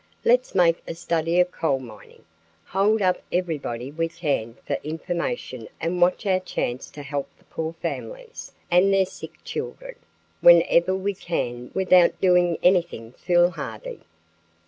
Let's make a study of coal mining, hold up everybody we can for information and watch our chance to help the poor families and their sick children whenever we can without doing anything foolhardy."